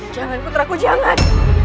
jangan putraku jangan